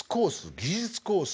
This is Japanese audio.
技術コース